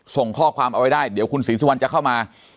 ส่งข้อความเอาไว้ได้เดี๋ยวคุณศรีสุวรรณจะเข้ามา